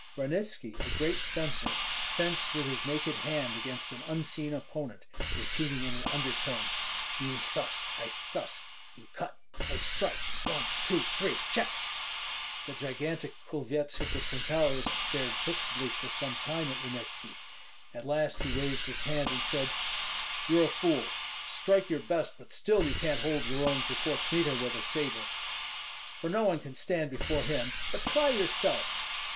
Ranitski, a great fencer, fenced with his naked hand against an unseen opponent, repeating in an undertone, "You thus, I thus; you cut, I strike, one, two, three, check!" The gigantic Kulvyets Hippocentaurus stared fixedly for some time at Ranitski; at last he waved his hand and said: "You're a fool! Strike your best, but still you can't hold your own before Kmita with a sabre." "For no one can stand before him; but try yourself."